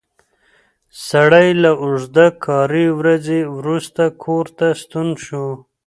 سړی له اوږده کاري ورځې وروسته کور ته ستون شو